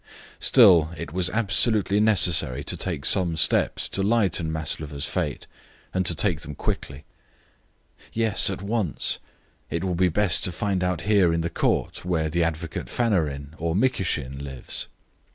Still, it was absolutely necessary to take some steps to lighten Maslova's fate, and to take them quickly. "Yes, at once! It will be best to find out here in the court where the advocate Fanarin or Mikishin lives."